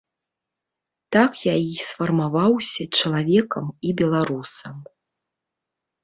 Так я і сфармаваўся чалавекам і беларусам.